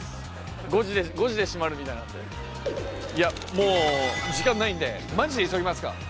もう時間ないんでマジで急ぎますか。